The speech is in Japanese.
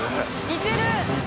似てる。